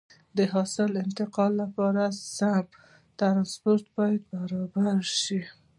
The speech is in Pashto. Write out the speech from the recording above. د حاصل انتقال لپاره سم ترانسپورت باید برابر شي.